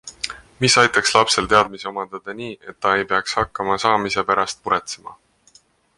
Mis aitaks lapsel teadmisi omandada nii, et ta ei peaks hakkama saamise pärast muretsema?